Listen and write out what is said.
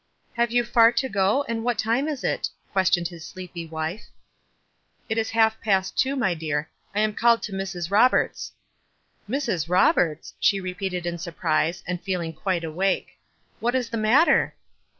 "Have you far to go, and what time is it?" questioned his sleepy wife. " It is half past two, my dear. I am called to Mrs. Roberts'." "Mrs. Roberts!" she repeated in surprise, and feeling quite awake. "What is the mat ter?"